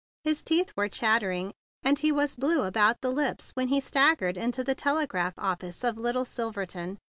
His teeth were chattering, and he was blue around the lips when he staggered into the telegraph office of Little Silverton.